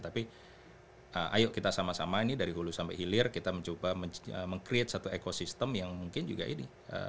tapi ayo kita sama sama ini dari hulu sampai hilir kita mencoba meng create satu ekosistem yang mungkin juga ini